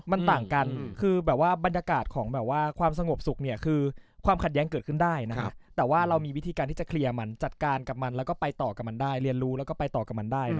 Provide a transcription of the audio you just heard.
มันต่างกันคือแบบว่าบรรยากาศของแบบว่าความสงบสุขเนี่ยคือความขัดแย้งเกิดขึ้นได้นะครับแต่ว่าเรามีวิธีการที่จะเคลียร์มันจัดการกับมันแล้วก็ไปต่อกับมันได้เรียนรู้แล้วก็ไปต่อกับมันได้